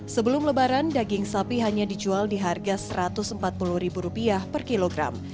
sebelum lebaran daging sapi hanya dijual di harga rp satu ratus empat puluh per kilogram